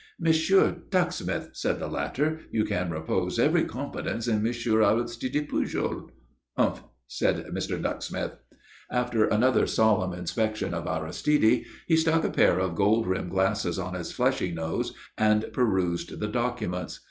"Monsieur Ducksmith," said the latter, "you can repose every confidence in Monsieur Aristide Pujol." "Umph!" said Mr. Ducksmith. After another solemn inspection of Aristide, he stuck a pair of gold rimmed glasses on his fleshy nose and perused the documents.